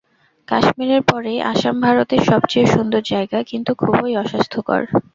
কাশ্মীরের পরেই আসাম ভারতের সবচেয়ে সুন্দর জায়গা, কিন্তু খুবই অস্বাস্থ্যকর।